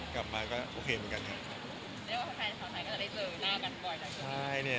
กลับมาก็โอเคเหมือนกัน